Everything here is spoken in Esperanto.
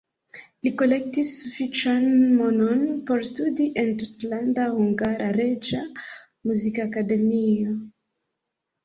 Li kolektis sufiĉan monon por studi en Tutlanda Hungara Reĝa Muzikakademio.